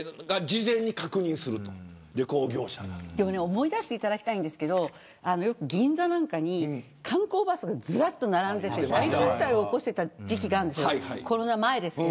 思い出していただきたいんですけどよく銀座なんかに観光バスがずらっと並んでいて大渋滞を起こしていた時期があるんです、コロナ前に。